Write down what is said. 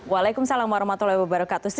wa'alaikum salam warahmatullahi wabarakatuh